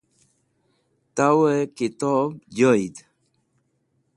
Tawe Kitob Joyd